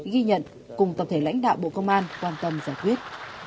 ghi nhận cùng tập thể lãnh đạo bộ công an quan tâm giải quyết